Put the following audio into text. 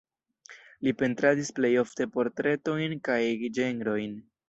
Li pentradis plej ofte portretojn kaj ĝenrojn.